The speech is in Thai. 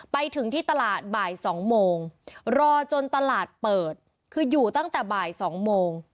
ไปถึงที่ตลาดบ่าย๒โมงรอจนตลาดเปิดคืออยู่ตั้งแต่บ่าย๒โมง